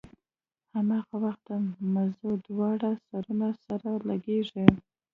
هماغه وخت د مزو دواړه سرونه سره لګېږي.